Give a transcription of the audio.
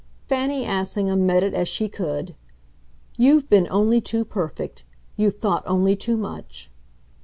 Fanny Assingham met it as she could. "You've been only too perfect. You've thought only too much."